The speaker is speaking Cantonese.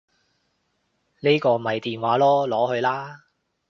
呢個咪電話囉，攞去啦